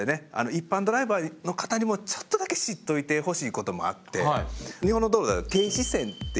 一般ドライバーの方にもちょっとだけ知っといてほしいこともあって。